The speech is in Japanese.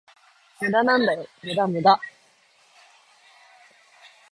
無駄なんだよ、無駄無駄